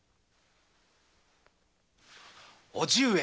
叔父上！